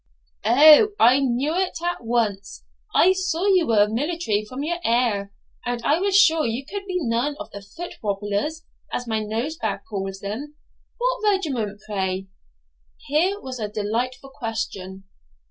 'O, I knew it at once; I saw you were military from your air, and I was sure you could be none of the foot wobblers, as my Nosebag calls them. What regiment, pray?' Here was a delightful question.